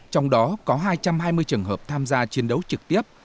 trong đó có hai trăm hai mươi trường hợp tham gia chiến đấu trực tiếp